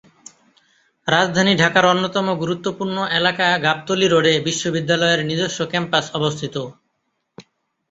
রাজধানী ঢাকার অন্যতম গুরুত্বপূর্ণ এলাকা গাবতলী রোডে বিশ্ববিদ্যালয়ের নিজস্ব ক্যাম্পাস অবস্থিত।